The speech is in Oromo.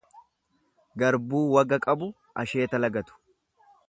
Garbuu waga qabu asheeta lagatu.